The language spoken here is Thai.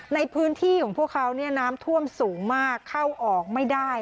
ในพื้นที่ของพวกเขาเนี่ยน้ำท่วมสูงมากเข้าออกไม่ได้